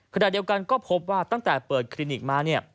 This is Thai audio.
ขณะเดียวกันก็พบว่าตั้งแต่เปิดคลินิกมาเนี่ย